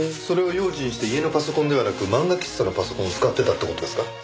それを用心して家のパソコンではなく漫画喫茶のパソコンを使ってたって事ですか？